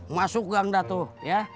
masuk gang dah tuh ya